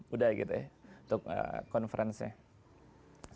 udah gitu ya untuk konferensinya